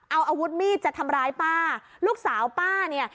เอาอาวุธมีดจะทำร้ายป้าลูกสาวป้าเนี่ย